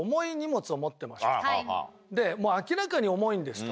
でもう明らかに重いんですと。